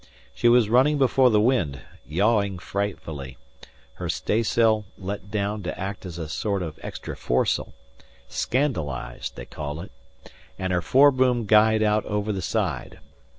She was running before the wind yawing frightfully her staysail let down to act as a sort of extra foresail, "scandalized," they call it, and her foreboom guyed out over the side.